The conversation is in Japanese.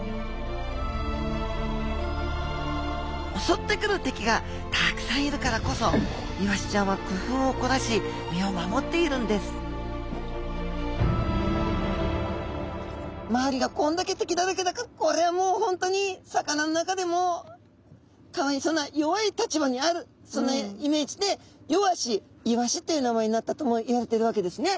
おそってくる敵がたくさんいるからこそイワシちゃんはくふうをこらし身を守っているんです周りがこんだけ敵だらけだからこれはもう本当に魚の中でもかわいそうな弱い立場にあるそんなイメージで弱し鰯っていう名前になったともいわれてるわけですね。